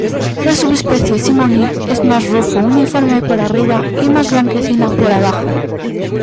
La subespecie "simoni" es más rufo uniforme por arriba y más blanquecina por abajo.